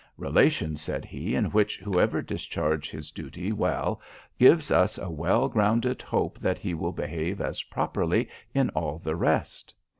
Relations, said he, in which whoever discharges his duty well, gives us a well grounded hope that he will behave as properly in all the rest.